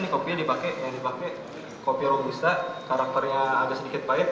ini kopinya dipakai yang dipakai kopi roh gusta karakternya ada sedikit pahit